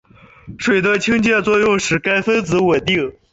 水的氢键作用使该分子稳定。